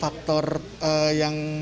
faktor yang lebih normal